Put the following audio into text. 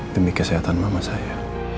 demi kesehatan mama saya